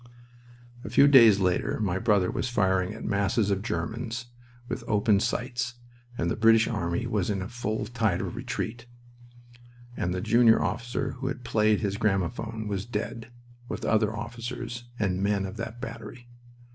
A few days later my brother was firing at masses of Germans with open sights, and the British army was in a full tide retreat, and the junior officer who had played his gramophone was dead, with other officers and men of that battery.